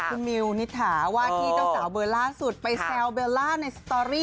คุณมิวนิษฐาว่าที่เจ้าสาวเบอร์ล่าสุดไปแซวเบลล่าในสตอรี่